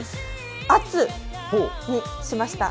圧にしました。